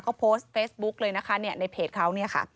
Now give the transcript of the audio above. เขาโพสต์เฟซบุ๊กเลยนะคะเนี่ยในเพจเขาเนี่ยค่ะ